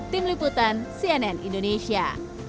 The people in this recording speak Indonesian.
tim liputan cnn indonesia